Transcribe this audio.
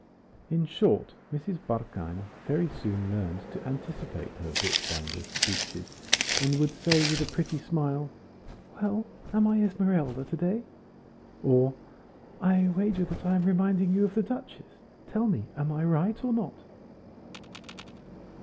In short, Mrs. Barkany very soon learned to anticipate her bookbinder's speeches, and would say, with a pretty smile: "Well, am I Esmeralda to day?" or, "I wager that I am reminding you of the Duchess; tell me, am I right or not?"